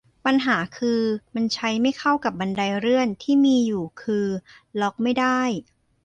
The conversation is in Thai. ปัญหาคือ มันใช้ไม่เข้ากับบันไดเลื่อนที่มีอยู่ คือล็อกไม่ได้